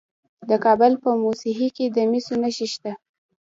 د کابل په موسهي کې د مسو نښې شته.